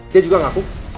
dia juga ngaku